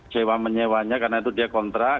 sewa menyewanya karena itu dia kontrak